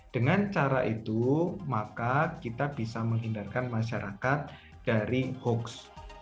dengan cara itu maka kita bisa menghindarkan masyarakat dari hoax